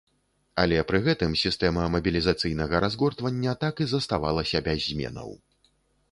Але пры гэтым сістэма мабілізацыйнага разгортвання так і заставалася без зменаў.